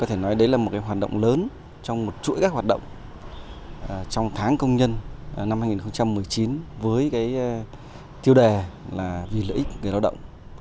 có thể nói đấy là một hoạt động lớn trong một chuỗi các hoạt động trong tháng công nhân năm hai nghìn một mươi chín với tiêu đề là vì lợi ích người lao động